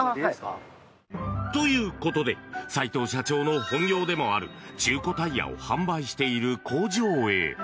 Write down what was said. ということで齋藤社長の本業でもある中古タイヤを販売している工場へ。